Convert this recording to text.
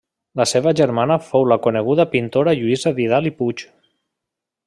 La seva germana fou la coneguda pintora Lluïsa Vidal i Puig.